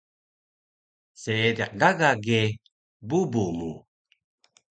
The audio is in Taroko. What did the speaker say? Seediq gaga ge bubu mu